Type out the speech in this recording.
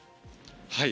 はい。